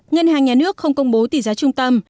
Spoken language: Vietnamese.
ngân hàng nhà nước không công bố tỷ giá trung tâm